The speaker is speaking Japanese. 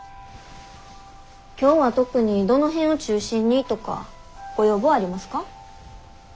今日は特にどの辺を中心にとかご要望ありますか？